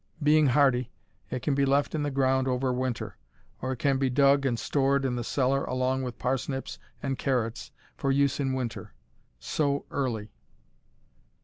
Being hardy, it can be left in the ground over winter, or it can be dug and stored in the cellar along with parsnips and carrots for use in winter. Sow early.